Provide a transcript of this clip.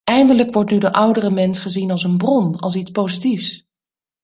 Eindelijk wordt nu de oudere mens gezien als een bron, als iets positiefs.